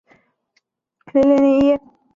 该雕像亦是美国首座李小龙纪念雕像。